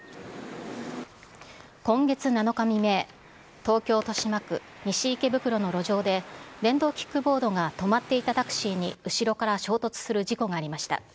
今月７日未明、東京・豊島区西池袋の路上で、電動キックボードが止まっていたタクシーに後ろから衝突する事故がありました。